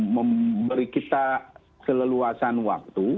memberi kita keleluasan waktu